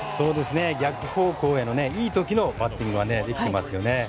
逆方向へのいい時のバッティングができていますよね。